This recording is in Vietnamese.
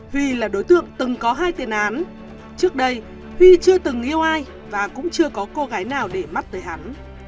huy là đối tượng từng có hai tiền án trước đây huy chưa từng yêu ai và cũng chưa có cô gái nào để mắt tới hắn